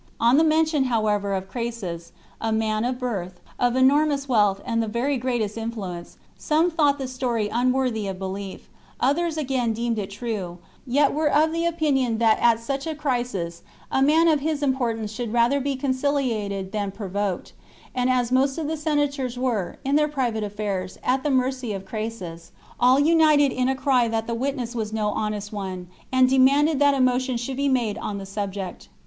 On the mention, however, of Crassus, a man of birth, of enor mous wealth, and the very greatest influence, some thought the story unworthy of belief, others again deemed it true, yet were of the opinion that at such a crisis a man of his importance should rather be con ciliated than provoked, and as most of the senators were, in their private affairs, at the mercy of Crassus, all united in a cry that the witness was no honest one, and demanded that a motion should be made on the subject.